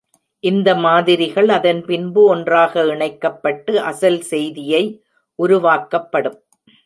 இந்த மாதிரிகள் அதன்பின்பு ஒன்றாக இணைக்கப்பட்டு அசல் செய்தியை உருவாக்கப்படும்.